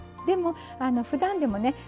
でもふだんでもね